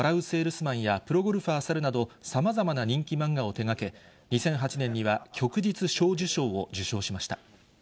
せぇるすまんやプロゴルファー猿など、さまざまな人気漫画を手がけ、２００８年には旭日小綬章を受章しました。